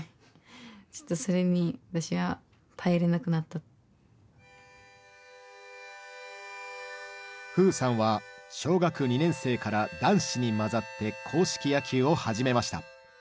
あのｆｕｕｕさんは小学２年生から男子に交ざって硬式野球を始めました。